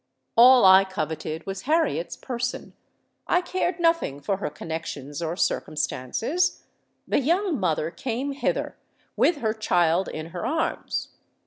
"All I coveted was Harriet's person: I cared nothing for her connexions or circumstances. The young mother came hither, with her child in her arms.